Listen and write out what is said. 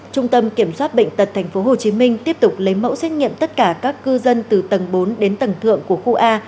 trung tâm kiểm soát bệnh tật tp hcm tiếp tục lấy mẫu xét nghiệm tất cả các cư dân từ tầng bốn đến tầng thượng của khu a